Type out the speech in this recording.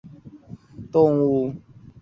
凹花蟹蛛为蟹蛛科花蟹蛛属的动物。